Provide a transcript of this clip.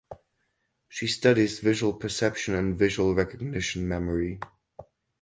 She studies visual perception and visual recognition memory.